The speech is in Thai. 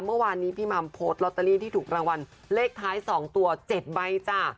เมื่อวานนี้พี่มัมโพสต์ลอตเตอรี่ที่ถูกรางวัลเลขท้าย๒ตัว๗ใบจ้ะ